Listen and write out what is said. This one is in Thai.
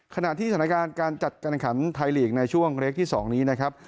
ขณะที่สถานการณ์การจัดการขันไทยลีกในช่วงเล็กที่๒นี้นะครับ